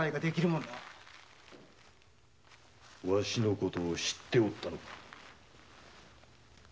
わしのことを知っておったのか。